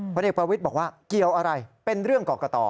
ผลเอกประวิทย์บอกว่าเกี่ยวอะไรเป็นเรื่องกรกต